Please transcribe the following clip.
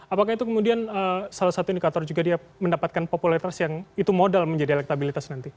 apakah itu kemudian salah satu indikator juga dia mendapatkan popularitas yang itu modal menjadi elektabilitas nanti